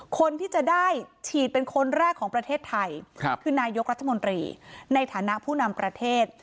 คนที่จะได้ฉีดเป็นคนแรกของประเทศไทยคือนายกรัฐมนตรีในฐานะผู้นำประเทศ